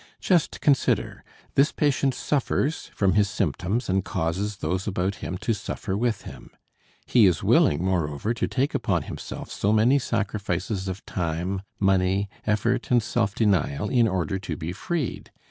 Just consider, this patient suffers from his symptoms and causes those about him to suffer with him. He is willing, moreover, to take upon himself so many sacrifices of time, money, effort and self denial in order to be freed.